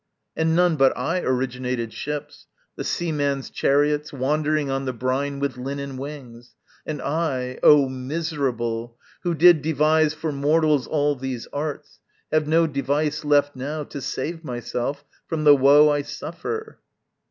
And none but I originated ships, The seaman's chariots, wandering on the brine With linen wings. And I oh, miserable! Who did devise for mortals all these arts, Have no device left now to save myself From the woe I suffer.